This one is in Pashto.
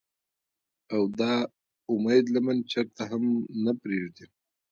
او د اميد لمن چرته هم نۀ پريږدي ۔